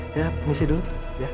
saya missi dulu ya